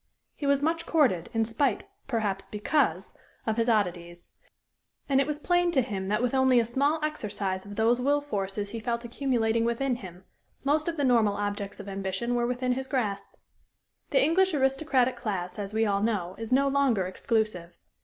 He was much courted, in spite, perhaps because, of his oddities; and it was plain to him that with only a small exercise of those will forces he felt accumulating within him, most of the normal objects of ambition were within his grasp. The English aristocratic class, as we all know, is no longer exclusive.